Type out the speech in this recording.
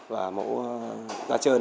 và mẫu da trơn